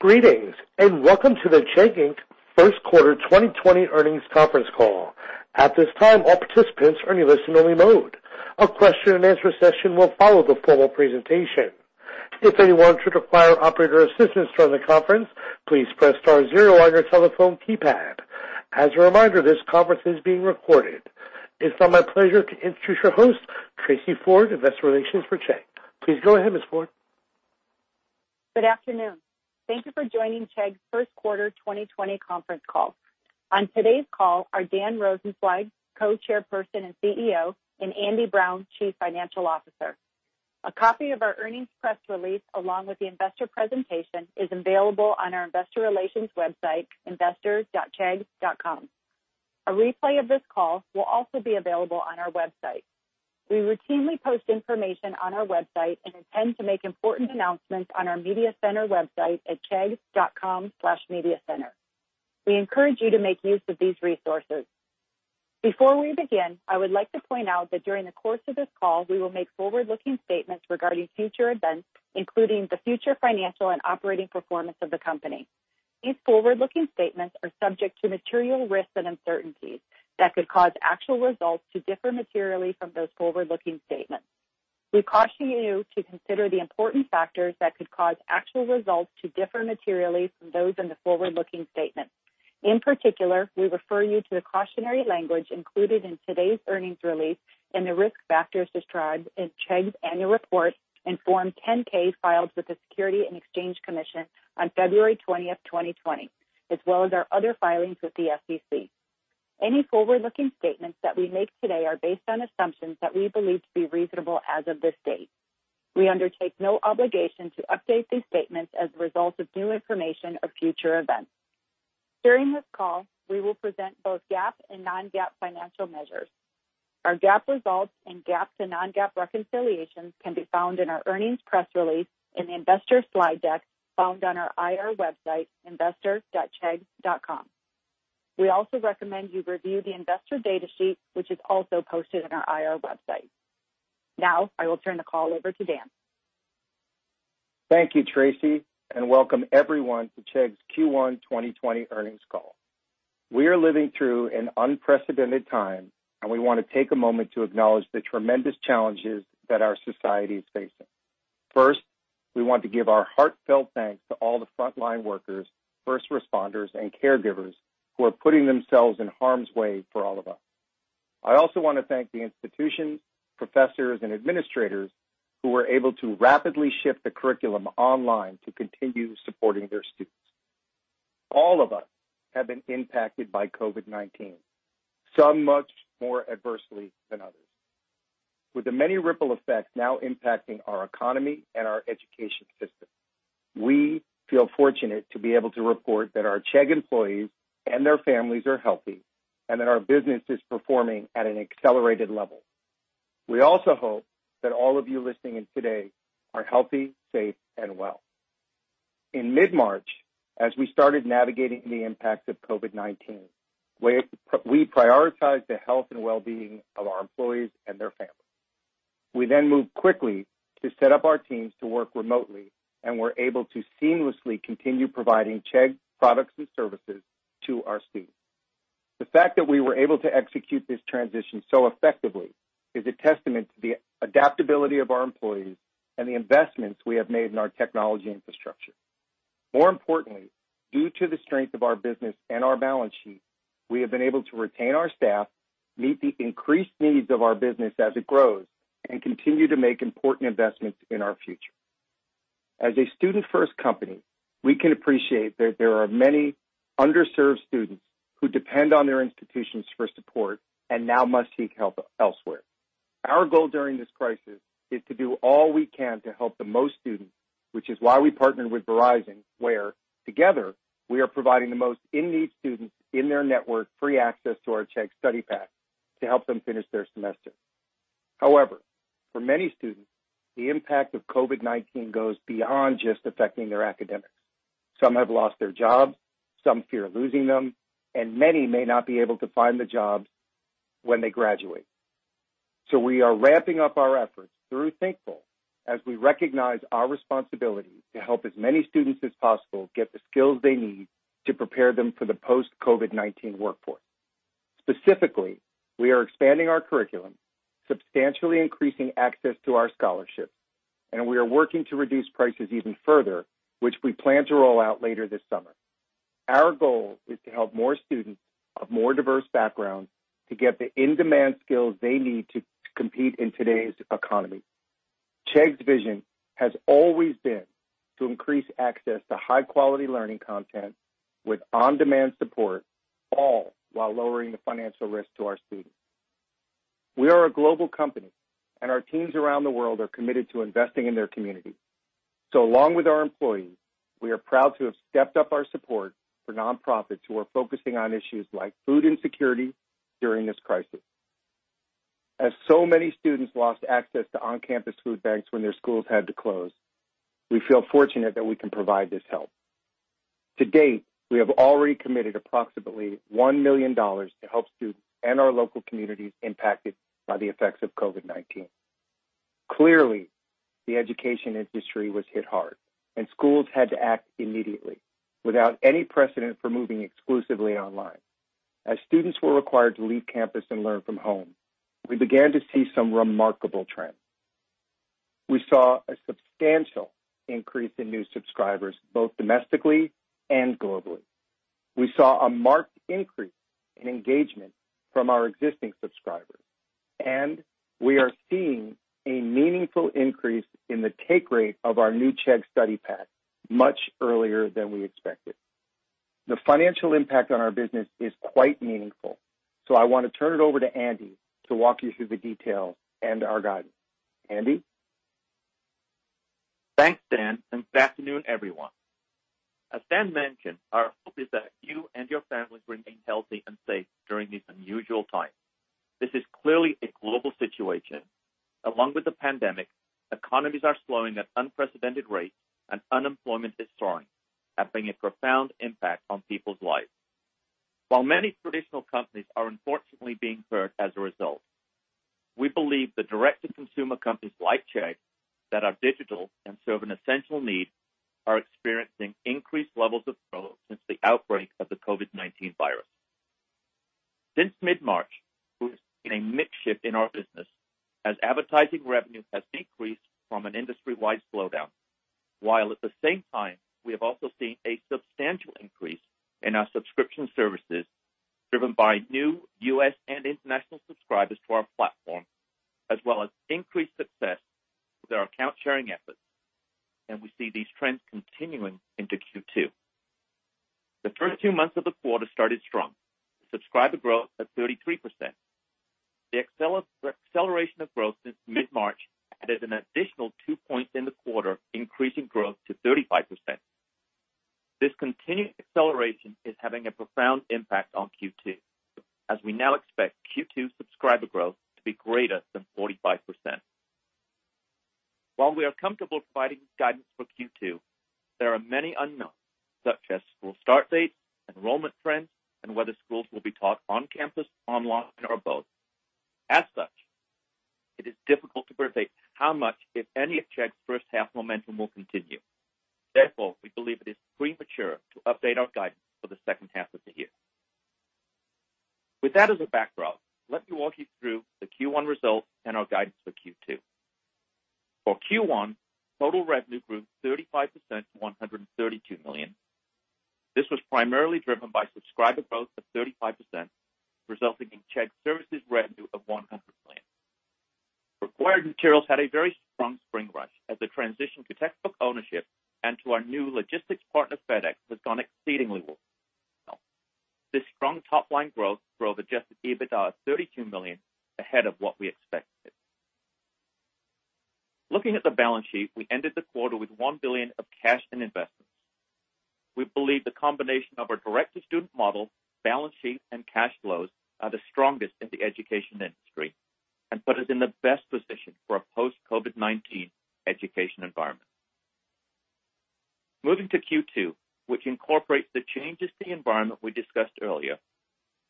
Greetings. Welcome to the Chegg Inc. First Quarter 2020 Earnings Conference Call. At this time, all participants are in listen-only mode. A question-and-answer session will follow the formal presentation. If anyone should require operator assistance during the conference, please press star zero on your telephone keypad. As a reminder, this conference is being recorded. It's now my pleasure to introduce your host, Tracey Ford, Investor Relations for Chegg. Please go ahead, Ms. Ford. Good afternoon. Thank you for joining Chegg's First Quarter 2020 Conference Call. On today's call are Dan Rosensweig, Co-Chairperson and CEO, and Andy Brown, Chief Financial Officer. A copy of our earnings press release, along with the investor presentation, is available on our investor relations website, investors.chegg.com. A replay of this call will also be available on our website. We routinely post information on our website and intend to make important announcements on our media center website at chegg.com/mediacenter. We encourage you to make use of these resources. Before we begin, I would like to point out that during the course of this call, we will make forward-looking statements regarding future events, including the future financial and operating performance of the company. These forward-looking statements are subject to material risks and uncertainties that could cause actual results to differ materially from those forward-looking statements. We caution you to consider the important factors that could cause actual results to differ materially from those in the forward-looking statements. In particular, we refer you to the cautionary language included in today's earnings release and the risk factors described in Chegg's annual report and Form 10-K filed with the Securities and Exchange Commission on February 20th, 2020, as well as our other filings with the SEC. Any forward-looking statements that we make today are based on assumptions that we believe to be reasonable as of this date. We undertake no obligation to update these statements as a result of new information or future events. During this call, we will present both GAAP and non-GAAP financial measures. Our GAAP results and GAAP to non-GAAP reconciliations can be found in our earnings press release in the investor slide deck found on our IR website, investors.chegg.com. We also recommend you review the investor data sheet, which is also posted on our IR website. Now, I will turn the call over to Dan. Thank you, Tracey, and welcome everyone to Chegg's Q1 2020 earnings call. We are living through an unprecedented time, and we want to take a moment to acknowledge the tremendous challenges that our society is facing. First, we want to give our heartfelt thanks to all the frontline workers, first responders, and caregivers who are putting themselves in harm's way for all of us. I also want to thank the institutions, professors, and administrators who were able to rapidly shift the curriculum online to continue supporting their students. All of us have been impacted by COVID-19, some much more adversely than others. With the many ripple effects now impacting our economy and our education system, we feel fortunate to be able to report that our Chegg employees and their families are healthy, and that our business is performing at an accelerated level. We also hope that all of you listening in today are healthy, safe, and well. In mid-March, as we started navigating the impacts of COVID-19, we prioritized the health and well-being of our employees and their families. We moved quickly to set up our teams to work remotely and were able to seamlessly continue providing Chegg products and services to our students. The fact that we were able to execute this transition so effectively is a testament to the adaptability of our employees and the investments we have made in our technology infrastructure. More importantly, due to the strength of our business and our balance sheet, we have been able to retain our staff, meet the increased needs of our business as it grows, and continue to make important investments in our future. As a student-first company, we can appreciate that there are many underserved students who depend on their institutions for support and now must seek help elsewhere. Our goal during this crisis is to do all we can to help the most students, which is why we partnered with Verizon, where together, we are providing the most in-need students in their network free access to our Chegg Study Pack to help them finish their semester. However, for many students, the impact of COVID-19 goes beyond just affecting their academics. Some have lost their jobs, some fear losing them, and many may not be able to find the jobs when they graduate. We are ramping up our efforts through Thinkful as we recognize our responsibility to help as many students as possible get the skills they need to prepare them for the post-COVID-19 workforce. Specifically, we are expanding our curriculum, substantially increasing access to our scholarships, and we are working to reduce prices even further, which we plan to roll out later this summer. Our goal is to help more students of more diverse backgrounds to get the in-demand skills they need to compete in today's economy. Chegg's vision has always been to increase access to high-quality learning content with on-demand support, all while lowering the financial risk to our students. We are a global company, and our teams around the world are committed to investing in their community. Along with our employees, we are proud to have stepped up our support for nonprofits who are focusing on issues like food insecurity during this crisis. As so many students lost access to on-campus food banks when their schools had to close, we feel fortunate that we can provide this help. To date, we have already committed approximately $1 million to help students and our local communities impacted by the effects of COVID-19. The education industry was hit hard and schools had to act immediately without any precedent for moving exclusively online. As students were required to leave campus and learn from home, we began to see some remarkable trends. We saw a substantial increase in new subscribers, both domestically and globally. We saw a marked increase in engagement from our existing subscribers, and we are seeing a meaningful increase in the take rate of our new Chegg Study Pack much earlier than we expected. The financial impact on our business is quite meaningful. I want to turn it over to Andy to walk you through the details and our guidance. Andy? Thanks, Dan. Good afternoon, everyone. As Dan mentioned, our hope is that you and your families remain healthy and safe during these unusual times. This is clearly a global situation. Along with the pandemic, economies are slowing at unprecedented rates and unemployment is soaring, having a profound impact on people's lives. While many traditional companies are unfortunately being hurt as a result, we believe the direct-to-consumer companies like Chegg that are digital and serve an essential need are experiencing increased levels of growth since the outbreak of the COVID-19 virus. Since mid-March, we've seen a mixed shift in our business as advertising revenue has decreased from an industry-wide slowdown, while at the same time, we have also seen a substantial increase in our subscription services driven by new U.S. and international subscribers to our platform, as well as increased success with our account sharing efforts. We see these trends continuing into Q2. The first two months of the quarter started strong, subscriber growth at 33%. The acceleration of growth since mid-March added an additional two points in the quarter, increasing growth to 35%. This continued acceleration is having a profound impact on Q2, as we now expect Q2 subscriber growth to be greater than 45%. While we are comfortable providing guidance for Q2, there are many unknowns, such as school start dates, enrollment trends, and whether schools will be taught on campus, online, or both. As such, it is difficult to predict how much, if any, of Chegg's first half momentum will continue. We believe it is premature to update our guidance for the second half of the year. With that as a background, let me walk you through the Q1 results and our guidance for Q2. For Q1, total revenue grew 35% to $132 million. This was primarily driven by subscriber growth of 35%, resulting in Chegg Services revenue of $100 million. Required materials had a very strong spring rush as the transition to textbook ownership and to our new logistics partner, FedEx, has gone exceedingly well. This strong top-line growth drove adjusted EBITDA of $32 million ahead of what we expected. Looking at the balance sheet, we ended the quarter with $1 billion of cash and investments. We believe the combination of our direct-to-student model, balance sheet, and cash flows are the strongest in the education industry and put us in the best position for a post-COVID-19 education environment. Moving to Q2, which incorporates the changes to the environment we discussed earlier,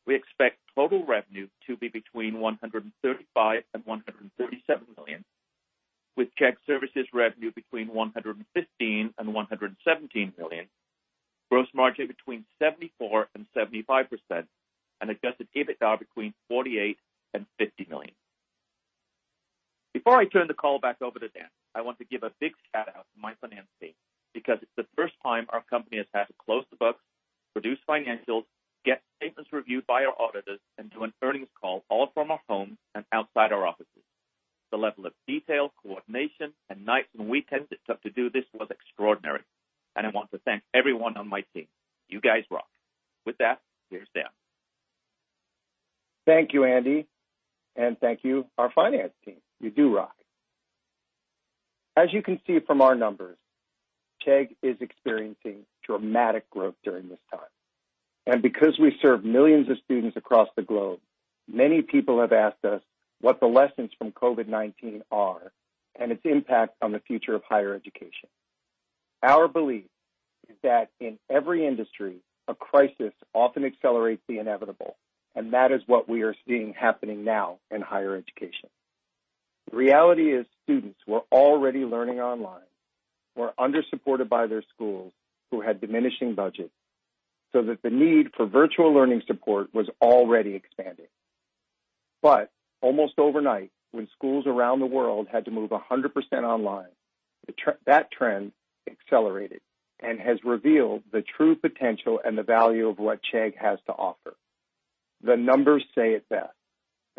we expect total revenue to be between $135 million and $137 million, with Chegg Services revenue between $115 million and $117 million, gross margin between 74% and 75%, and adjusted EBITDA between $48 million and $50 million. Before I turn the call back over to Dan, I want to give a big shout-out to my finance team because it's the first time our company has had to close the books, produce financials, get statements reviewed by our auditors, and do an earnings call all from our homes and outside our offices. The level of detail, coordination, and nights and weekends it took to do this was extraordinary. I want to thank everyone on my team. You guys rock. With that, here's Dan. Thank you, Andy, and thank you our finance team. You do rock. As you can see from our numbers, Chegg is experiencing dramatic growth during this time. Because we serve millions of students across the globe, many people have asked us what the lessons from COVID-19 are and its impact on the future of higher education. Our belief is that in every industry, a crisis often accelerates the inevitable, and that is what we are seeing happening now in higher education. The reality is students were already learning online, were under-supported by their schools who had diminishing budgets, so that the need for virtual learning support was already expanding. Almost overnight, when schools around the world had to move 100% online, that trend accelerated and has revealed the true potential and the value of what Chegg has to offer. The numbers say it best,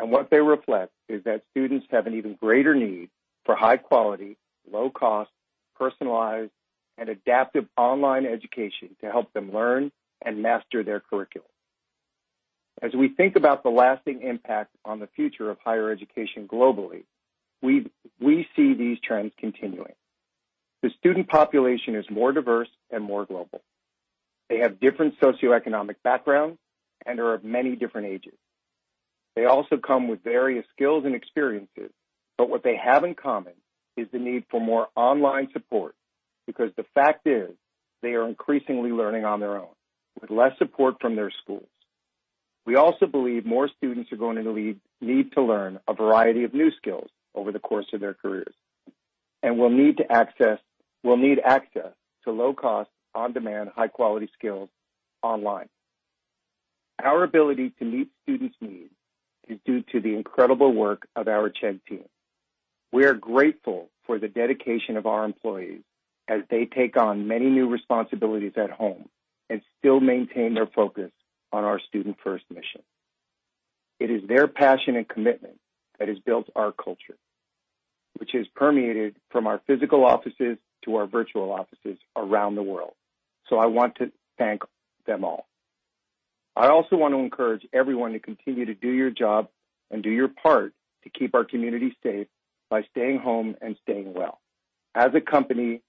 and what they reflect is that students have an even greater need for high quality, low cost, personalized, and adaptive online education to help them learn and master their curriculum. As we think about the lasting impact on the future of higher education globally, we see these trends continuing. The student population is more diverse and more global. They have different socioeconomic backgrounds and are of many different ages. They also come with various skills and experiences. What they have in common is the need for more online support because the fact is they are increasingly learning on their own with less support from their schools. We also believe more students are going to need to learn a variety of new skills over the course of their careers and will need access to low-cost, on-demand, high-quality skills online. Our ability to meet students' needs is due to the incredible work of our Chegg team. We are grateful for the dedication of our employees as they take on many new responsibilities at home and still maintain their focus on our student-first mission. It is their passion and commitment that has built our culture, which has permeated from our physical offices to our virtual offices around the world. I want to thank them all. I also want to encourage everyone to continue to do your job and do your part to keep our community safe by staying home and staying well. As a company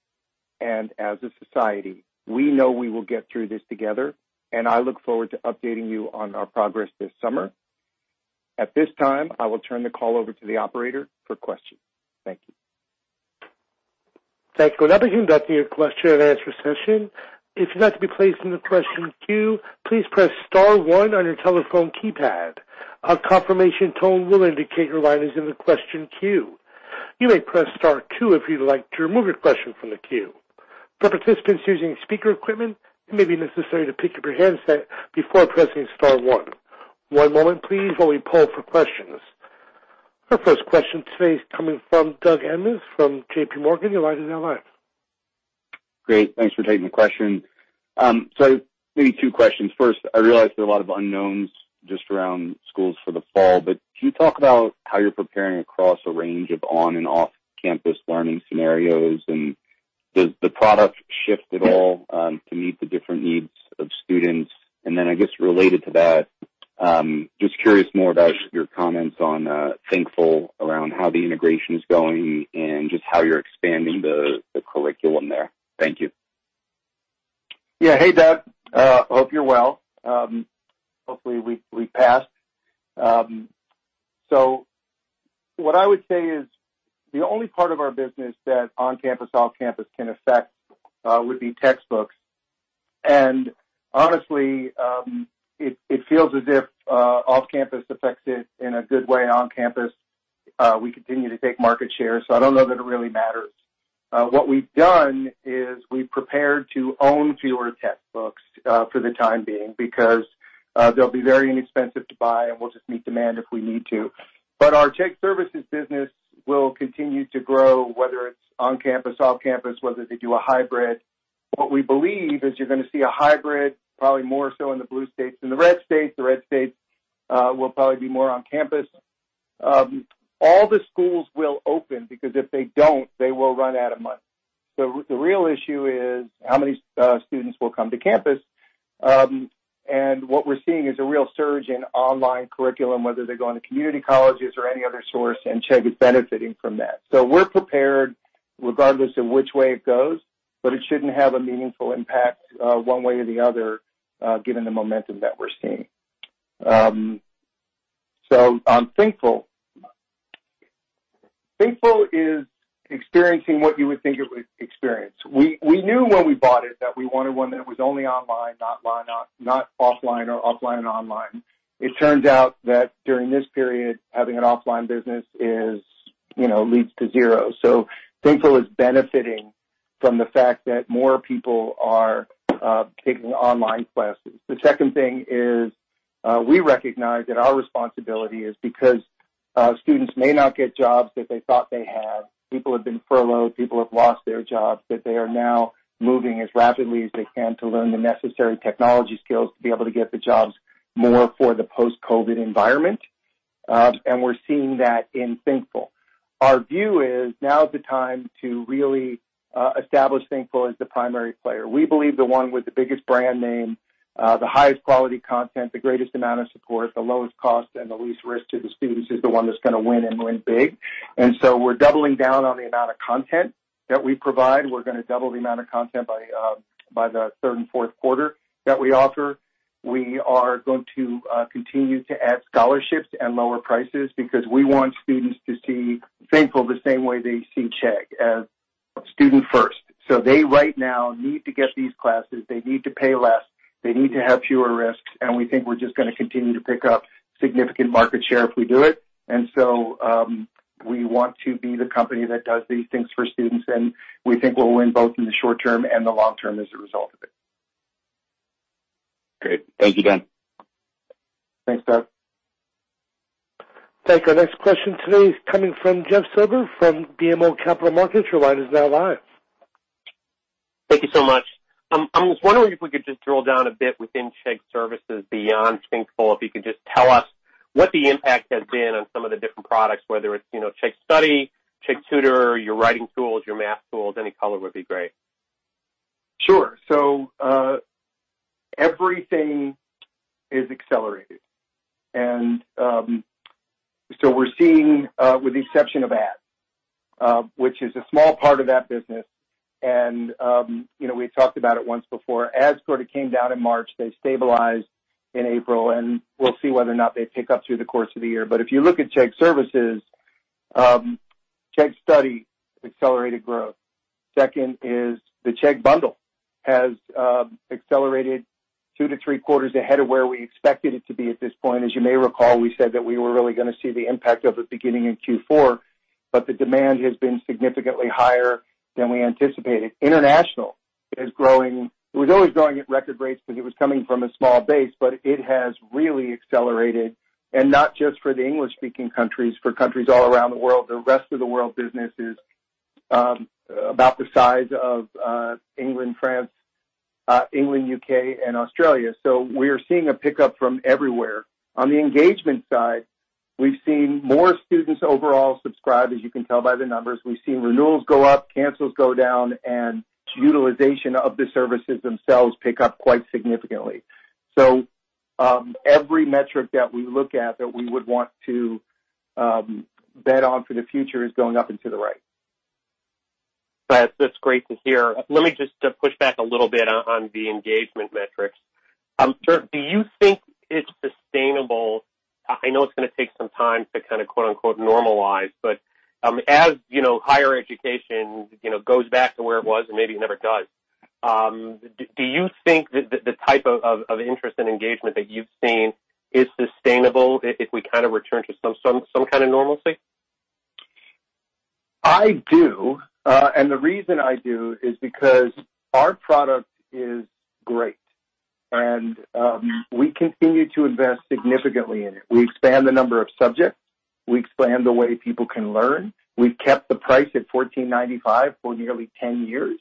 and as a society, we know we will get through this together, and I look forward to updating you on our progress this summer. At this time, I will turn the call over to the operator for questions. Thank you. Thank you. Beginning with your question and answer session. If you'd like to be placed in the question queue, please press star one on your telephone keypad. A confirmation tone will indicate your line is in the question queue. You may press star two if you'd like to remove your question from the queue. For participants using speaker equipment, it may be necessary to pick up your handset before pressing star one. One moment please while we poll for questions. Our first question today is coming from Douglas Anmuth from J.P. Morgan. Your line is now live. Great. Thanks for taking the question. Maybe two questions. First, I realize there are a lot of unknowns just around schools for the fall, but can you talk about how you're preparing across a range of on and off-campus learning scenarios, and does the product shift at all to meet the different needs of students? I guess related to that, just curious more about your comments on Thinkful, around how the integration is going and just how you're expanding the curriculum there. Thank you. Yeah. Hey, Douglas. Hope you're well. Hopefully, we pass. What I would say is the only part of our business that on-campus, off-campus can affect would be textbooks. Honestly, it feels as if off-campus affects it in a good way. On-campus, we continue to take market share, so I don't know that it really matters. What we've done is we've prepared to own fewer textbooks for the time being because they'll be very inexpensive to buy, and we'll just meet demand if we need to. Our Chegg Services business will continue to grow, whether it's on-campus, off-campus, whether they do a hybrid. What we believe is you're going to see a hybrid, probably more so in the blue states than the red states. The red states will probably be more on campus. All the schools will open, because if they don't, they will run out of money. The real issue is how many students will come to campus. What we're seeing is a real surge in online curriculum, whether they're going to community colleges or any other source, and Chegg is benefiting from that. We're prepared regardless of which way it goes, but it shouldn't have a meaningful impact one way or the other given the momentum that we're seeing. On Thinkful is experiencing what you would think it would experience. We knew when we bought it that we wanted one that was only online, not offline or offline and online. It turns out that during this period, having an offline business leads to zero. Thinkful is benefiting from the fact that more people are taking online classes. The second thing is we recognize that our responsibility is because students may not get jobs that they thought they had. People have been furloughed, people have lost their jobs, that they are now moving as rapidly as they can to learn the necessary technology skills to be able to get the jobs more for the post-COVID environment. We're seeing that in Thinkful. Our view is now is the time to really establish Thinkful as the primary player. We believe the one with the biggest brand name, the highest quality content, the greatest amount of support, the lowest cost, and the least risk to the students is the one that's going to win and win big. We're doubling down on the amount of content that we provide. We're going to double the amount of content by the third and fourth quarter that we offer. We are going to continue to add scholarships and lower prices because we want students to see Thinkful the same way they see Chegg, as student first. They right now need to get these classes. They need to pay less. They need to have fewer risks. We think we're just going to continue to pick up significant market share if we do it. We want to be the company that does these things for students, and we think we'll win both in the short term and the long term as a result of it. Great. Thank you, Dan. Thanks, Douglas. Thank you. Our next question today is coming from Jeff Silber from BMO Capital Markets. Your line is now live. Thank you so much. I was wondering if we could just drill down a bit within Chegg Services beyond Thinkful. If you could just tell us what the impact has been on some of the different products, whether it's Chegg Study, Chegg Tutors, your writing tools, your math tools. Any color would be great. Sure. Everything is accelerated. We're seeing, with the exception of ads, which is a small part of that business, and we talked about it once before. Ads sort of came down in March. They stabilized in April, and we'll see whether or not they pick up through the course of the year. If you look at Chegg Services, Chegg Study accelerated growth. Second, is the Chegg Bundle has accelerated two to three quarters ahead of where we expected it to be at this point. As you may recall, we said that we were really going to see the impact of it beginning in Q4, but the demand has been significantly higher than we anticipated. International is growing. It was always growing at record rates because it was coming from a small base, but it has really accelerated. Not just for the English-speaking countries, for countries all around the world. The rest of the world business is about the size of England, U.K., and Australia. We are seeing a pickup from everywhere. On the engagement side, we've seen more students overall subscribe, as you can tell by the numbers. We've seen renewals go up, cancels go down, and utilization of the services themselves pick up quite significantly. Every metric that we look at that we would want to bet on for the future is going up and to the right. That's great to hear. Let me just push back a little bit on the engagement metrics. Do you think it's sustainable? I know it's going to take some time to kind of quote-unquote "normalize," but as higher education goes back to where it was, and maybe it never does, do you think that the type of interest and engagement that you've seen is sustainable if we kind of return to some kind of normalcy? I do. The reason I do is because our product is great. We continue to invest significantly in it. We expand the number of subjects. We expand the way people can learn. We've kept the price at $14.95 for nearly 10 years.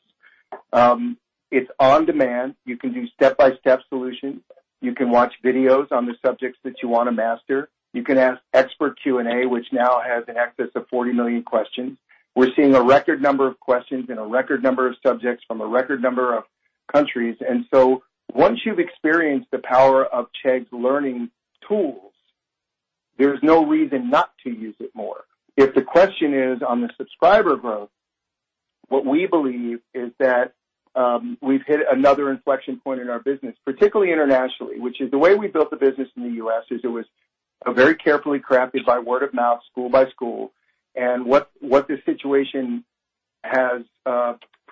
It's on demand. You can do step-by-step solutions. You can watch videos on the subjects that you want to master. You can ask Expert Q&A, which now has in excess of 40 million questions. We're seeing a record number of questions in a record number of subjects from a record number of countries. Once you've experienced the power of Chegg's learning tools, there's no reason not to use it more. If the question is on the subscriber growth, what we believe is that we've hit another inflection point in our business, particularly internationally. Which is the way we built the business in the U.S. is it was very carefully crafted by word of mouth, school by school. What this situation has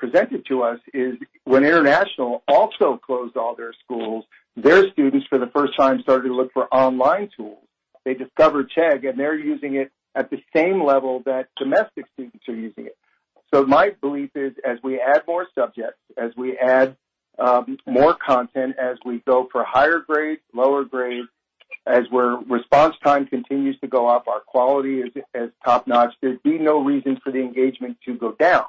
presented to us is when international also closed all their schools, their students, for the first time, started to look for online tools. They discovered Chegg, and they're using it at the same level that domestic students are using it. My belief is as we add more subjects, as we add more content, as we go for higher grades, lower grades, as response time continues to go up, our quality is top-notch, there'd be no reason for the engagement to go down.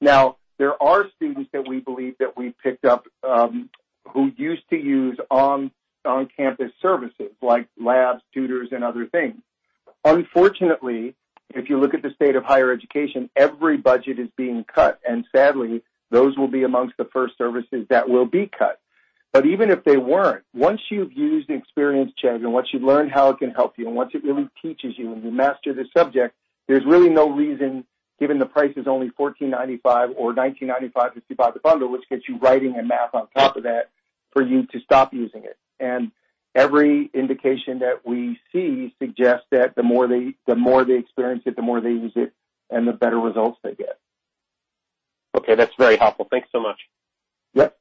Now, there are students that we believe that we picked up, who used to use on-campus services like labs, tutors, and other things. Unfortunately, if you look at the state of higher education, every budget is being cut. Sadly, those will be amongst the first services that will be cut. Even if they weren't, once you've used and experienced Chegg and once you've learned how it can help you, and once it really teaches you and you master the subject, there's really no reason, given the price is only $14.95 or $19.95 if you buy the bundle, which gets you writing and math on top of that, for you to stop using it. Every indication that we see suggests that the more they experience it, the more they use it, and the better results they get. Okay. That's very helpful. Thanks so much. Yep.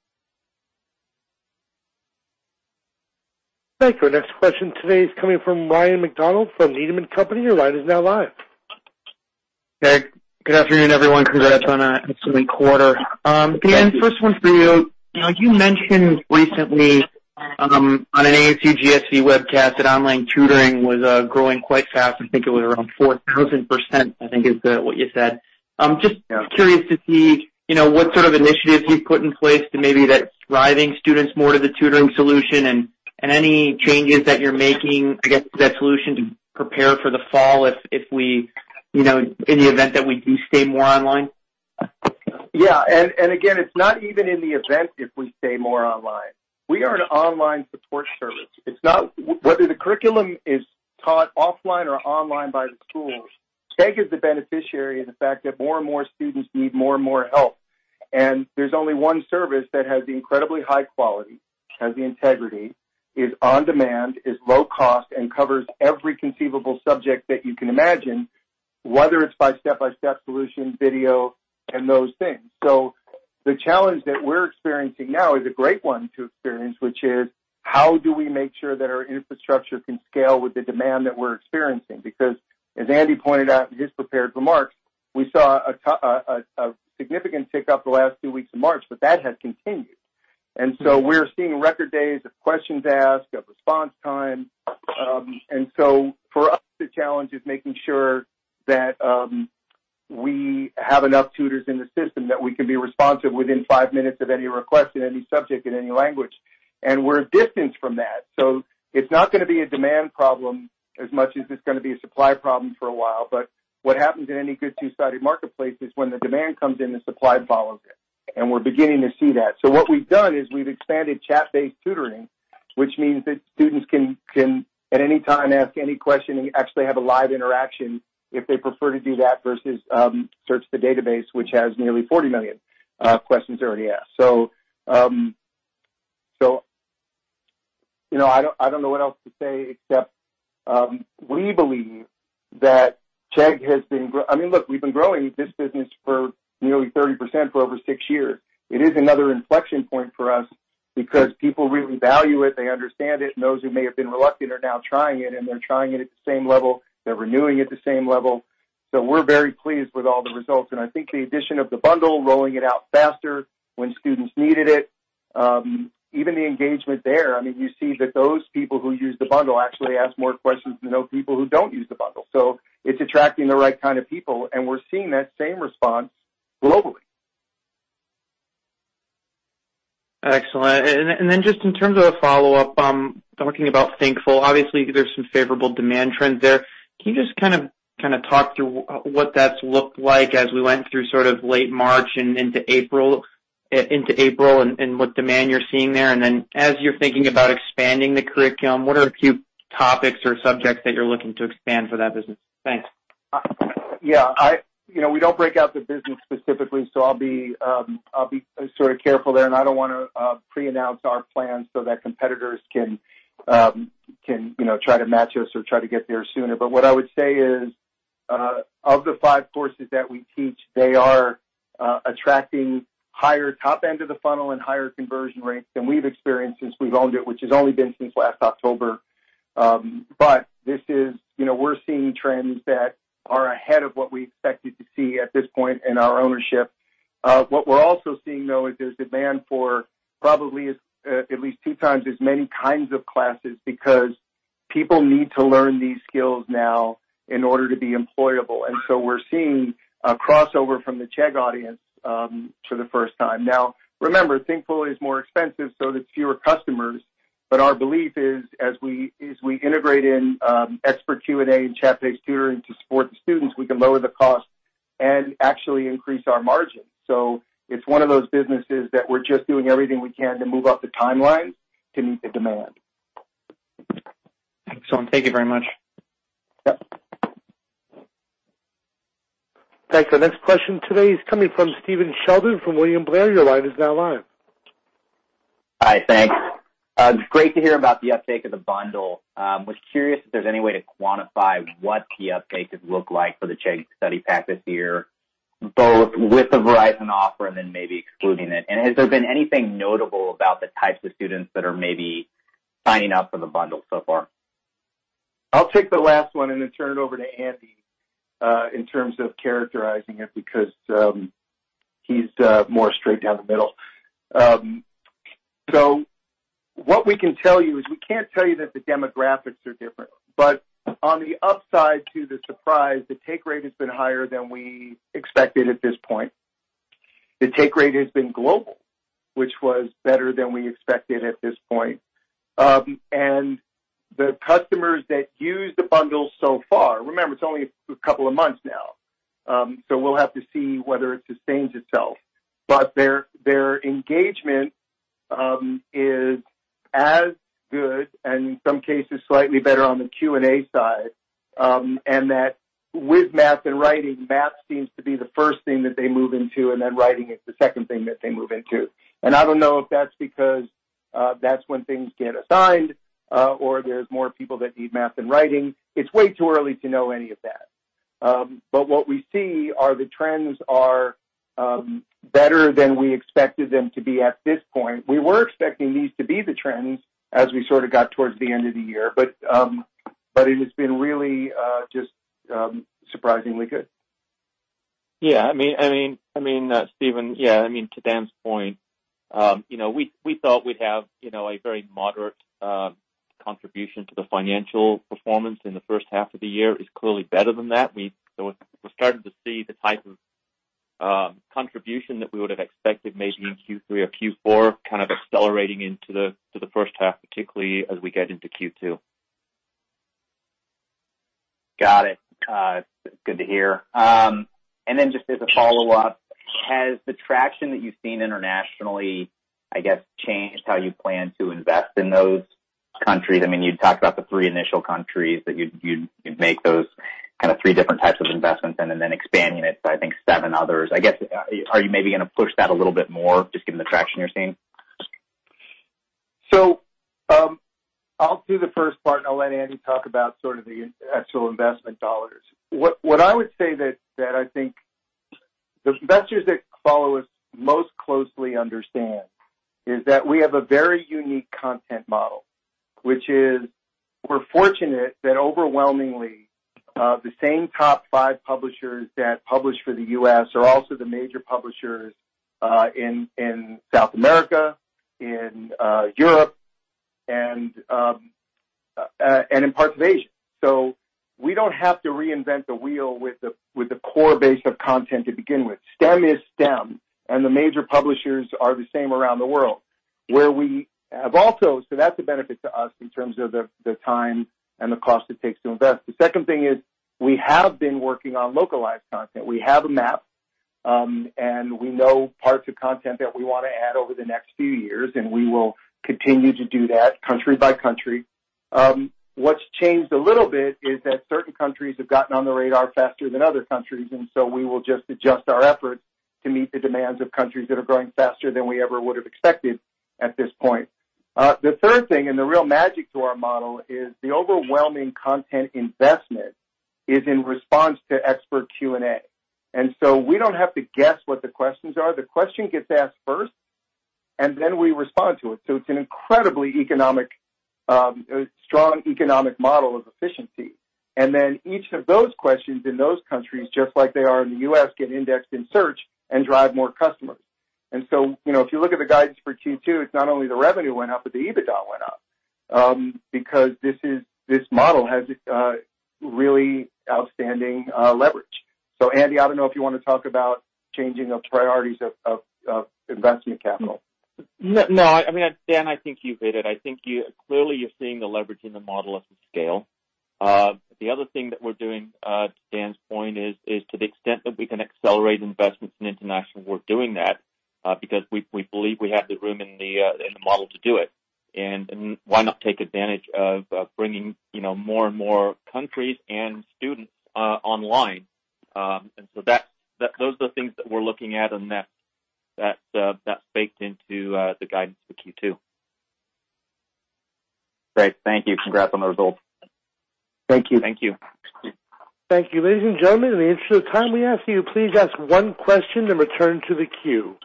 Thank you. Our next question today is coming from Ryan MacDonald from Needham & Company. Your line is now live. Hey. Good afternoon, everyone. Congrats on an excellent quarter. Thank you. Dan, first one's for you. You mentioned recently on an ASU GSV webcast that online tutoring was growing quite fast. I think it was around 4,000%, I think is what you said. Just curious to see what sort of initiatives you've put in place to maybe that's driving students more to the tutoring solution and any changes that you're making, I guess, to that solution to prepare for the fall in the event that we do stay more online. Yeah. Again, it's not even in the event if we stay more online. We are an online support service. Whether the curriculum is taught offline or online by the schools, Chegg is the beneficiary of the fact that more and more students need more and more help. There's only one service that has the incredibly high quality, has the integrity, is on demand, is low cost, and covers every conceivable subject that you can imagine, whether it's by step-by-step solution, video, and those things. The challenge that we're experiencing now is a great one to experience, which is how do we make sure that our infrastructure can scale with the demand that we're experiencing? As Andy pointed out in his prepared remarks, we saw a significant tick up the last two weeks of March, but that has continued. We're seeing record days of questions asked, of response time. For us, the challenge is making sure that we have enough tutors in the system that we can be responsive within five minutes of any request in any subject in any language. We're distanced from that. It's not going to be a demand problem as much as it's going to be a supply problem for a while. What happens in any good two-sided marketplace is when the demand comes in, the supply follows it. We're beginning to see that. What we've done is we've expanded chat-based tutoring, which means that students can at any time ask any question and actually have a live interaction if they prefer to do that versus search the database, which has nearly 40 million questions already asked. I don't know what else to say except, we believe that Chegg has been growing this business for nearly 30% for over six years. It is another inflection point for us because people really value it, they understand it, and those who may have been reluctant are now trying it, and they're trying it at the same level. They're renewing at the same level. We're very pleased with all the results, and I think the addition of the bundle, rolling it out faster when students needed it. Even the engagement there. You see that those people who use the bundle actually ask more questions than those people who don't use the bundle. It's attracting the right kind of people, and we're seeing that same response globally. Excellent. Just in terms of a follow-up, talking about Thinkful. Obviously, there's some favorable demand trends there. Can you just kind of talk through what that's looked like as we went through sort of late March and into April, and what demand you're seeing there? As you're thinking about expanding the curriculum, what are a few topics or subjects that you're looking to expand for that business? Thanks. Yeah. We don't break out the business specifically, so I'll be careful there, and I don't want to pre-announce our plans so that competitors can try to match us or try to get there sooner. What I would say is, of the five courses that we teach, they are attracting higher top end of the funnel and higher conversion rates than we've experienced since we've owned it, which has only been since last October. We're seeing trends that are ahead of what we expected to see at this point in our ownership. What we're also seeing, though, is there's demand for probably at least two times as many kinds of classes because people need to learn these skills now in order to be employable. We're seeing a crossover from the Chegg audience, for the first time. Now, remember, Thinkful is more expensive, so there's fewer customers. Our belief is, as we integrate in Expert Q&A and chat-based tutoring to support the students, we can lower the cost and actually increase our margin. It's one of those businesses that we're just doing everything we can to move up the timeline to meet the demand. Excellent. Thank you very much. Yep. Thanks. Our next question today is coming from Stephen Sheldon from William Blair. Your line is now live. Hi, thanks. It's great to hear about the uptake of the bundle. Was curious if there's any way to quantify what the uptake has looked like for the Chegg Study Pack this year, both with the Verizon offer and then maybe excluding it. Has there been anything notable about the types of students that are maybe signing up for the bundle so far? I'll take the last one and then turn it over to Andy, in terms of characterizing it, because he's more straight down the middle. What we can tell you is we can't tell you that the demographics are different. On the upside, to the surprise, the take rate has been higher than we expected at this point. The take rate has been global, which was better than we expected at this point. The customers that use the bundle so far, remember, it's only a couple of months now. We'll have to see whether it sustains itself. Their engagement is as good, and in some cases, slightly better on the Q&A side. That with math and writing, math seems to be the first thing that they move into, and then writing is the second thing that they move into. I don't know if that's because that's when things get assigned, or there's more people that need math than writing. It's way too early to know any of that. What we see are the trends are better than we expected them to be at this point. We were expecting these to be the trends as we sort of got towards the end of the year. It has been really just surprisingly good. Yeah. Stephen, to Dan's point, we thought we'd have a very moderate contribution to the financial performance in the first half of the year. It's clearly better than that. We're starting to see the type of contribution that we would have expected maybe in Q3 or Q4, kind of accelerating into the first half, particularly as we get into Q2. Got it. Good to hear. Then just as a follow-up, has the traction that you've seen internationally, I guess, changed how you plan to invest in those countries? You talked about the three initial countries that you'd make those kind of three different types of investments in and then expanding it to, I think, seven others. I guess, are you maybe going to push that a little bit more just given the traction you're seeing? I'll do the first part, and I'll let Andy talk about sort of the actual investment dollars. What I would say that I think the investors that follow us most closely understand is that we have a very unique content model. Which is, we're fortunate that overwhelmingly, the same top five publishers that publish for the U.S. are also the major publishers in South America, in Europe, and in parts of Asia. We don't have to reinvent the wheel with the core base of content to begin with. STEM is STEM, and the major publishers are the same around the world. That's a benefit to us in terms of the time and the cost it takes to invest. The second thing is, we have been working on localized content. We have a map, and we know parts of content that we want to add over the next few years, and we will continue to do that country by country. What's changed a little bit is that certain countries have gotten on the radar faster than other countries, we will just adjust our efforts to meet the demands of countries that are growing faster than we ever would've expected at this point. The third thing, and the real magic to our model, is the overwhelming content investment is in response to Expert Q&A. We don't have to guess what the questions are. The question gets asked first, we respond to it. It's an incredibly strong economic model of efficiency. Each of those questions in those countries, just like they are in the U.S., get indexed in search and drive more customers. If you look at the guidance for Q2, it's not only the revenue went up, but the EBITDA went up, because this model has really outstanding leverage. Andy, I don't know if you want to talk about changing of priorities of investment capital. No, Dan, I think you've hit it. I think, clearly, you're seeing the leverage in the model of the scale. The other thing that we're doing, to Dan's point is to the extent that we can accelerate investments in international, we're doing that, because we believe we have the room in the model to do it. Why not take advantage of bringing more and more countries and students online? Those are the things that we're looking at, and that's baked into the guidance for Q2. Great. Thank you. Congrats on the results. Thank you. Thank you. Thank you. Ladies and gentlemen, in the interest of time, we ask you please ask one question, then return to the queue.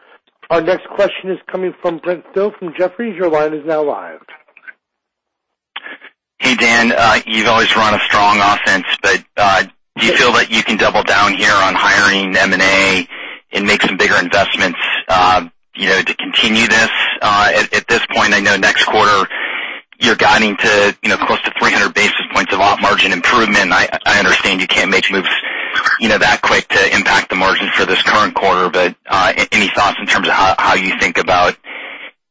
Our next question is coming from Brent Thill from Jefferies. Your line is now live. Hey, Dan. You've always run a strong offense, but do you feel that you can double down here on hiring M&A and make some bigger investments to continue this? At this point, I know next quarter you're guiding to close to 300 basis points of op margin improvement, and I understand you can't make moves that quick to impact the margins for this current quarter. Any thoughts in terms of how you think about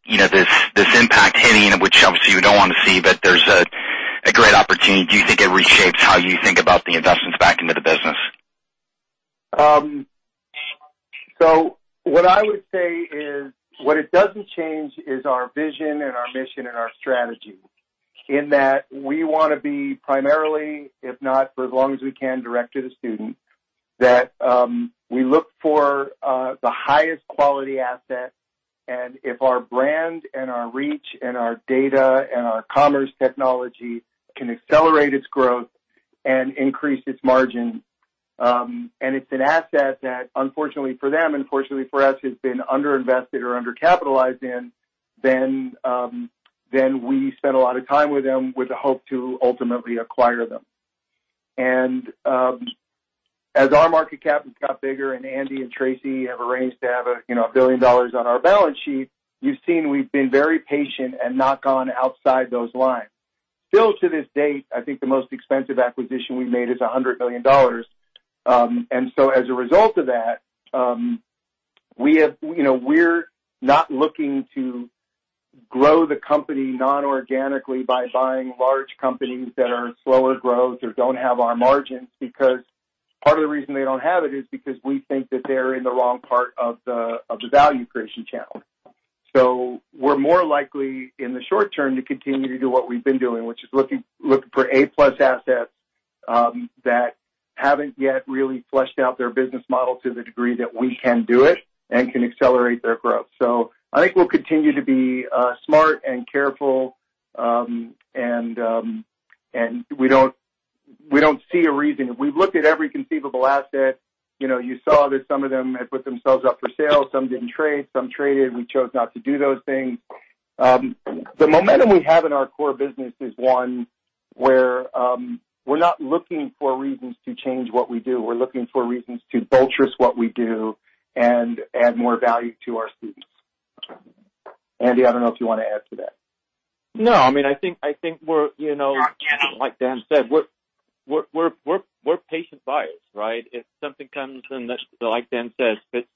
this impact hitting, which obviously you don't want to see, but there's a great opportunity? Do you think it reshapes how you think about the investments back into the business? What I would say is, what it doesn't change is our vision and our mission and our strategy, in that we want to be primarily, if not for as long as we can, direct to the student, that we look for the highest quality asset, and if our brand and our reach and our data and our commerce technology can accelerate its growth and increase its margin, and it's an asset that, unfortunately for them, unfortunately for us, has been under-invested or under-capitalized in, then we spend a lot of time with them with the hope to ultimately acquire them. As our market cap has got bigger and Andy and Tracey have arranged to have $1 billion on our balance sheet, you've seen we've been very patient and not gone outside those lines. Still to this date, I think the most expensive acquisition we've made is $100 million. As a result of that, we're not looking to grow the company non-organically by buying large companies that are in slower growth or don't have our margins, because part of the reason they don't have it is because we think that they're in the wrong part of the value creation channel. We're more likely, in the short term, to continue to do what we've been doing, which is looking for A+ assets, that haven't yet really fleshed out their business model to the degree that we can do it and can accelerate their growth. I think we'll continue to be smart and careful, and we don't see a reason. We've looked at every conceivable asset. You saw that some of them had put themselves up for sale, some didn't trade, some traded. We chose not to do those things. The momentum we have in our core business is one where we're not looking for reasons to change what we do. We're looking for reasons to bolt what we do and add more value to our students. Andy, I don't know if you want to add to that. No, I think. like Dan said, we're patient buyers, right? If something comes, and like Dan says, fits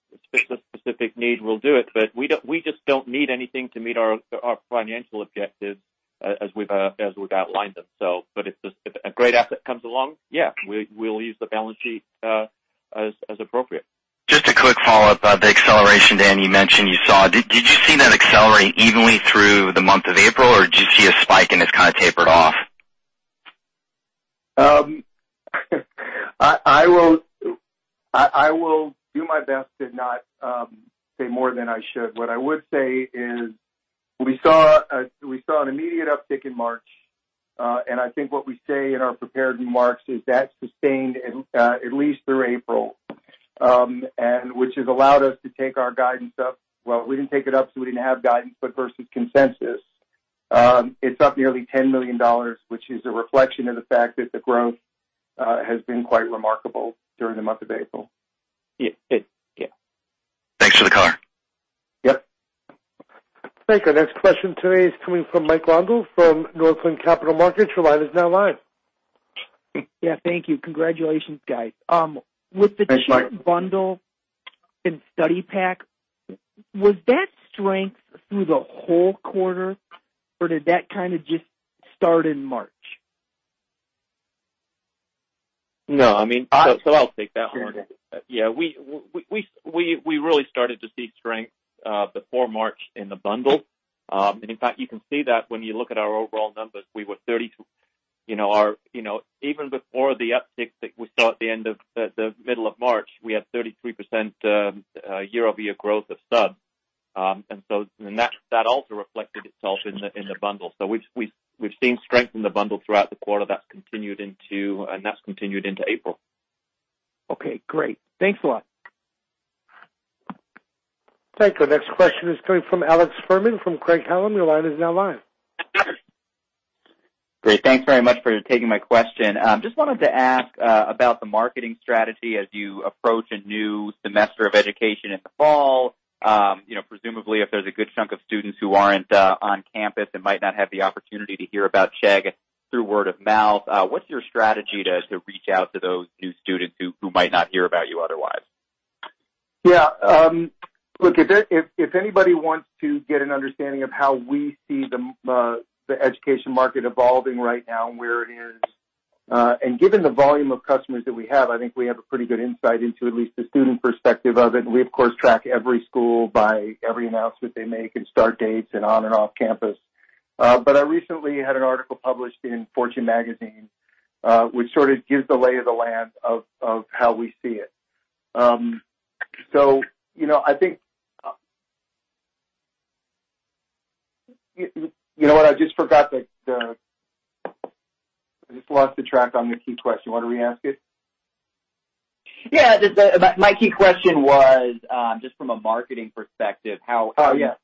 a specific need, we'll do it. We just don't need anything to meet our financial objectives as we've outlined them. If a great asset comes along, yeah, we'll use the balance sheet, as appropriate. Just a quick follow-up. The acceleration, Dan, you mentioned you saw, did you see that accelerate evenly through the month of April, or did you see a spike and it's kind of tapered off? I will do my best to not say more than I should. What I would say is, we saw an immediate uptick in March. I think what we say in our prepared remarks is that sustained at least through April, and which has allowed us to take our guidance up. Well, we didn't take it up, so we didn't have guidance, but versus consensus, it's up nearly $10 million, which is a reflection of the fact that the growth has been quite remarkable during the month of April. Yeah. Thanks for the color. Yep. Thank you. Next question today is coming from Mike Grondahl from Northland Capital Markets. Your line is now live. Yeah, thank you. Congratulations, guys. Thanks, Mike. With the Chegg Bundle and Study Pack, was that strength through the whole quarter, or did that kind of just start in March? No, I'll take that one. Sure. Yeah, we really started to see strength before March in the Bundle. In fact, you can see that when you look at our overall numbers. Even before the uptick that we saw at the middle of March, we had 33% year-over-year growth of subs. That also reflected itself in the Bundle. We've seen strength in the bundle throughout the quarter, and that's continued into April. Okay, great. Thanks a lot. Thank you. The next question is coming from Alex Fuhrman from Craig-Hallum. Your line is now live. Great. Thanks very much for taking my question. Just wanted to ask about the marketing strategy as you approach a new semester of education in the fall. Presumably, if there's a good chunk of students who aren't on campus and might not have the opportunity to hear about Chegg through word of mouth, what's your strategy to reach out to those new students who might not hear about you otherwise? Yeah. Look, if anybody wants to get an understanding of how we see the education market evolving right now and where it is. Given the volume of customers that we have, I think we have a pretty good insight into at least the student perspective of it. We, of course, track every school by every announcement they make and start dates and on and off-campus. I recently had an article published in Fortune Magazine, which sort of gives the lay of the land of how we see it. You know what? I just forgot. I just lost the track on your key question. You want to re-ask it? Yeah. My key question was, just from a marketing perspective. Oh, yeah.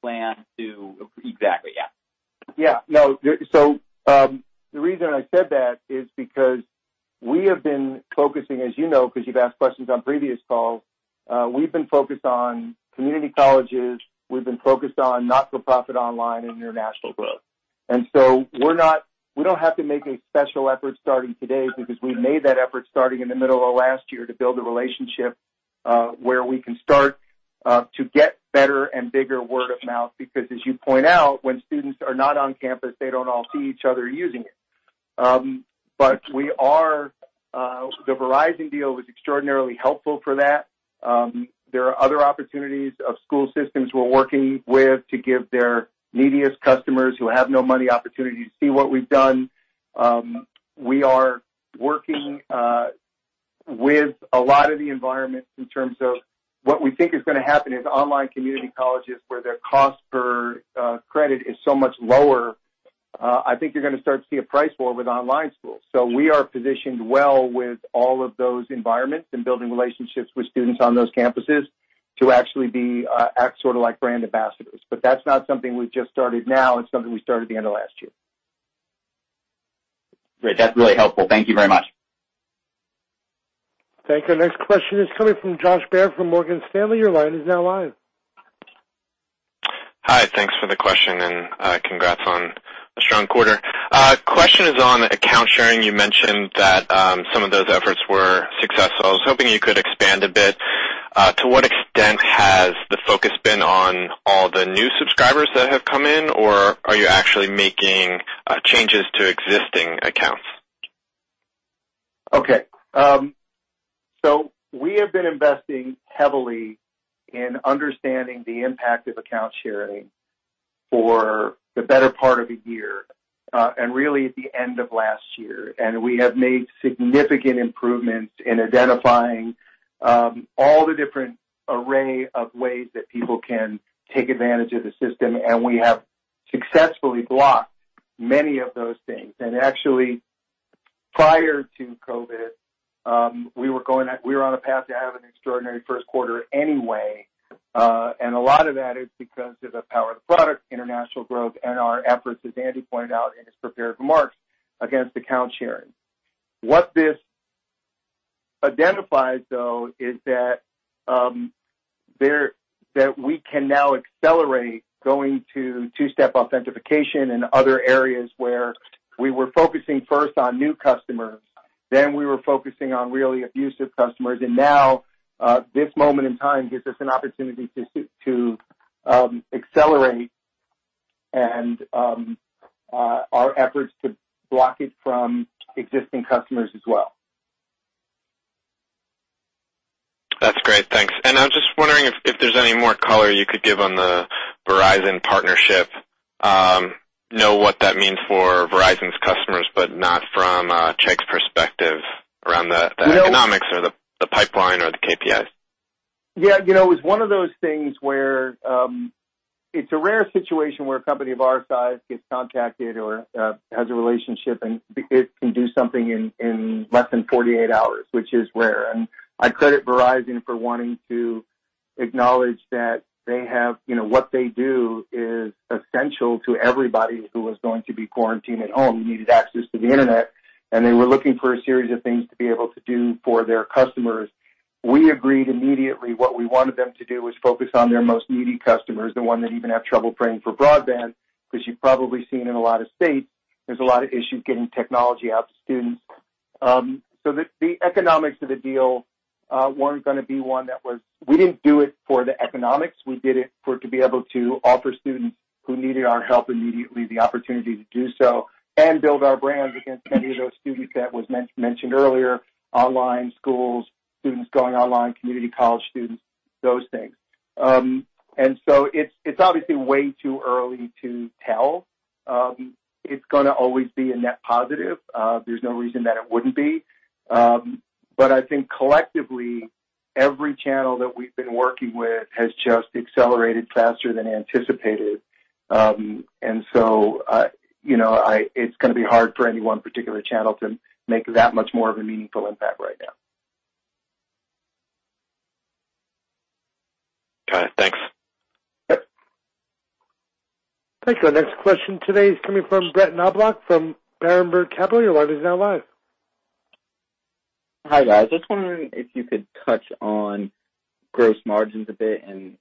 Exactly, yeah. Yeah. The reason I said that is because we have been focusing, as you know, because you've asked questions on previous calls, we've been focused on community colleges. We've been focused on not-for-profit online and international growth. We don't have to make a special effort starting today because we made that effort starting in the middle of last year to build a relationship, where we can start to get better and bigger word of mouth. As you point out, when students are not on campus, they don't all see each other using it. The Verizon deal was extraordinarily helpful for that. There are other opportunities of school systems we're working with to give their neediest customers who have no money, opportunity to see what we've done. We are working with a lot of the environments in terms of what we think is going to happen is online community colleges, where their cost per credit is so much lower. I think you're going to start to see a price war with online schools. We are positioned well with all of those environments and building relationships with students on those campuses to actually act sort of like brand ambassadors. That's not something we've just started now. It's something we started at the end of last year. Great. That's really helpful. Thank you very much. Thank you. Next question is coming from Josh Baer from Morgan Stanley. Your line is now live. Hi. Thanks for the question, and congrats on a strong quarter. Question is on account sharing. You mentioned that some of those efforts were successful. I was hoping you could expand a bit. To what extent has the focus been on all the new subscribers that have come in, or are you actually making changes to existing accounts? Okay. We have been investing heavily in understanding the impact of account sharing for the better part of a year, and really at the end of last year. We have made significant improvements in identifying all the different array of ways that people can take advantage of the system. We have successfully blocked many of those things. Actually, prior to COVID, we were on a path to have an extraordinary first quarter anyway. A lot of that is because of the power of the product, international growth, and our efforts, as Andy pointed out in his prepared remarks, against account sharing. What this identifies, though, is that we can now accelerate going to two-step authentication and other areas where we were focusing first on new customers, then we were focusing on really abusive customers. Now, this moment in time gives us an opportunity to accelerate our efforts to block it from existing customers as well. That's great. Thanks. I was just wondering if there's any more color you could give on the Verizon partnership. I know what that means for Verizon's customers, but not from Chegg's perspective around the economics or the pipeline or the KPIs. Yeah. It's one of those things where it's a rare situation where a company of our size gets contacted or has a relationship and it can do something in less than 48 hours, which is rare. I credit Verizon for wanting to acknowledge that what they do is essential to everybody who was going to be quarantined at home, who needed access to the internet. They were looking for a series of things to be able to do for their customers. We agreed immediately. What we wanted them to do was focus on their most needy customers, the one that even have trouble paying for broadband, because you've probably seen in a lot of states, there's a lot of issues getting technology out to students. The economics of the deal We didn't do it for the economics. We did it for it to be able to offer students who needed our help immediately the opportunity to do so and build our brand against many of those students that was mentioned earlier: online schools, students going online, community college students, those things. It's obviously way too early to tell. It's going to always be a net positive. There's no reason that it wouldn't be. I think collectively, every channel that we've been working with has just accelerated faster than anticipated. It's going to be hard for any one particular channel to make that much more of a meaningful impact right now. Got it. Thanks. Yep. Thanks. Our next question today is coming from Brett Knoblauch from Berenberg Capital Markets. Your line is now live. Hi, guys. I was wondering if you could touch on gross margins a bit and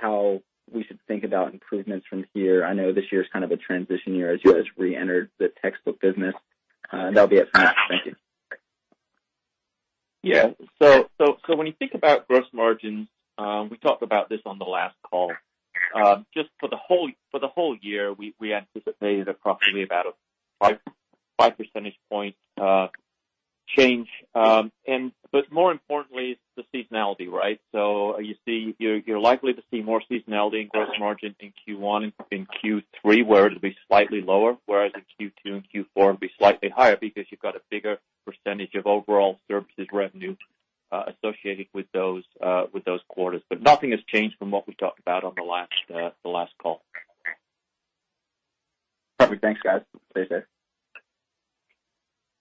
how we should think about improvements from here. I know this year is kind of a transition year as you guys reenter the textbook business. That'll be it for now. Thank you. When you think about gross margins, we talked about this on the last call. Just for the whole year, we anticipated approximately about a five percentage point change. More importantly, it's the seasonality, right? You're likely to see more seasonality in gross margin in Q1 and Q3, where it'll be slightly lower, whereas in Q2 and Q4, it'll be slightly higher because you've got a bigger percentage of overall services revenue associated with those quarters. Nothing has changed from what we talked about on the last call. Perfect. Thanks, guys. Stay safe.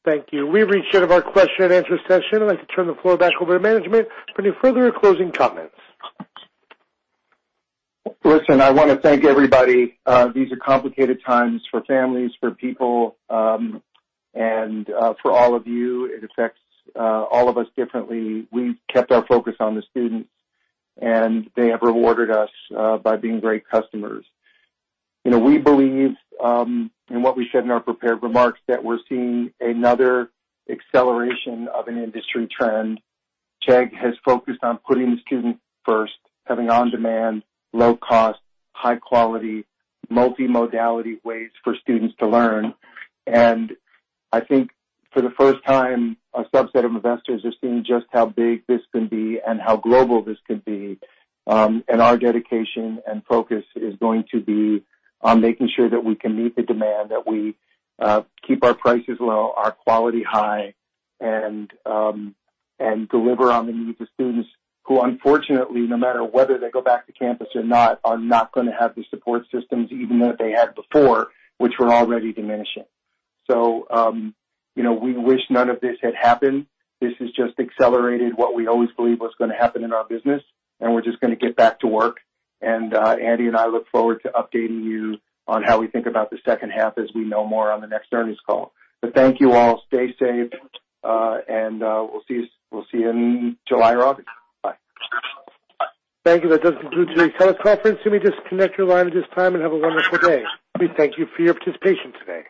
Thank you. We've reached the end of our question and answer session. I'd like to turn the floor back over to management for any further closing comments. Listen, I want to thank everybody. These are complicated times for families, for people, and for all of you. It affects all of us differently. We've kept our focus on the students, and they have rewarded us by being great customers. We believe in what we said in our prepared remarks, that we're seeing another acceleration of an industry trend. Chegg has focused on putting the student first, having on-demand, low-cost, high-quality, multi-modality ways for students to learn. I think for the first time, a subset of investors are seeing just how big this can be and how global this can be. Our dedication and focus is going to be on making sure that we can meet the demand, that we keep our prices low, our quality high, and deliver on the needs of students who unfortunately, no matter whether they go back to campus or not, are not going to have the support systems even that they had before, which were already diminishing. We wish none of this had happened. This has just accelerated what we always believed was going to happen in our business, and we're just going to get back to work. Andy and I look forward to updating you on how we think about the second half as we know more on the next earnings call. Thank you all. Stay safe, and we'll see you in July or August. Bye. Thank you. That does conclude today's teleconference. You may disconnect your lines at this time and have a wonderful day. We thank you for your participation today.